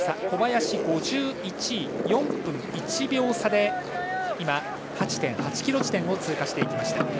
小林は５１位、４分１秒差で８．８ｋｍ地点を通過していきました。